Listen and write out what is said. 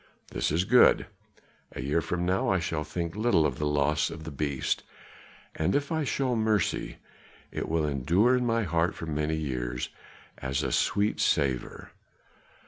This is good; a year from now I shall think little of the loss of the beast, and if I shew mercy it will endure in my heart for many years as a sweet savor.